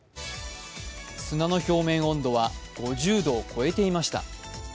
砂の表面温度は５０度を超えていました。